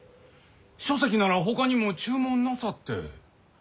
書籍ならほかにも注文なさって。